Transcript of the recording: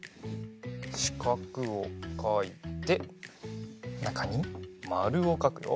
しかくをかいてなかにまるをかくよ。